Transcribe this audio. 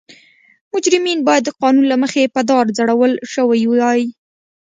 مجرمین باید د قانون له مخې په دار ځړول شوي وای.